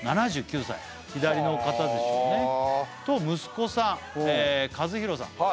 ７９歳左の方でしょうねと息子さん和宏さん